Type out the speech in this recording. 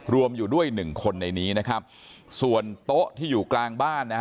รวมอยู่ด้วยหนึ่งคนในนี้นะครับส่วนโต๊ะที่อยู่กลางบ้านนะฮะ